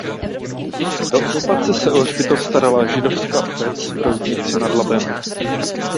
Do okupace se o hřbitov starala židovská obec v Roudnici nad Labem.